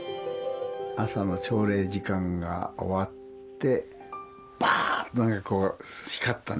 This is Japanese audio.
朝の朝礼時間が終わってバーンとねこう光ったんですね。